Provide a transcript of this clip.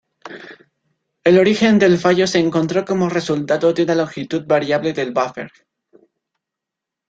El origen del fallo se encontró como resultado de una longitud variable del buffer.